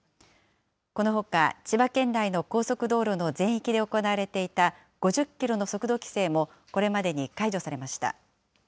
このほか千葉県内の高速道路の全域で行われていた５０キロの速度規制も、これまでに解除されました。